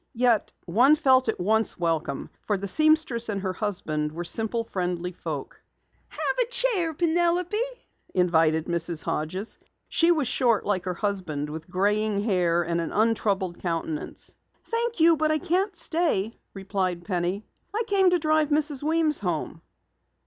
Yet one felt at once welcome, for the seamstress and her husband were simple, friendly people. "Have a chair, Penelope," invited Mrs. Hodges. She was short like her husband, with graying hair and an untroubled countenance. "Thank you, but I can't stay," replied Penny. "I came to drive Mrs. Weems home."